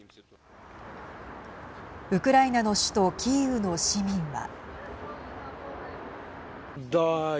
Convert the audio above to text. ウクライナの首都キーウの市民は。